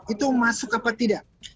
itu masuk apa tidak